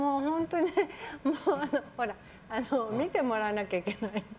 見てもらわなきゃいけない。